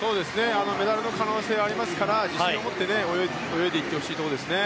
メダルの可能性はありますから自信を持って泳いでいってほしいところですね。